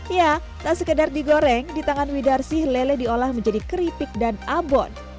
ya tak sekedar digoreng di tangan widarsih lele diolah menjadi keripik dan abon